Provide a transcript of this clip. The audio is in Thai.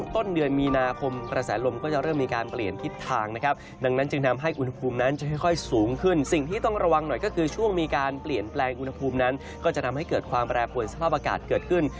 ทุ่มนั้นก็จะทำให้เกิดความแปรผลสภาพอากาศเกิดขึ้น